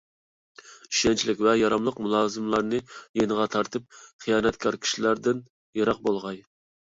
ئىشەنچلىك ۋە ياراملىق مۇلازىملارنى يېنىغا تارتىپ، خىيانەتكار كىشىلەردىن يىراق بولغاي.